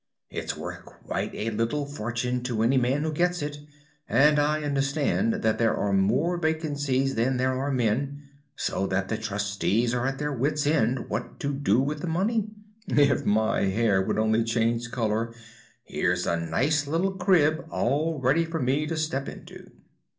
It's worth quite a little fortune to any man who gets it, and I understand that there are more vacancies than there are men, so that the trustees are at their wits' end what to do with the money. If my hair would only change colour, here's a nice little crib all ready for me to step into.